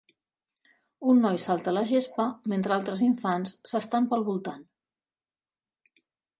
Un noi salta a la gespa mentre altres infants s'estan pel voltant.